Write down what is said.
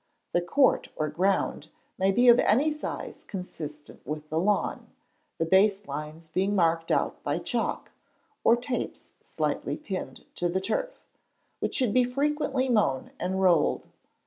The court or ground may be of any size consistent with the lawn, the base lines being marked out by chalk, or tapes slightly pinned to the turf, which should be frequently mown and rolled.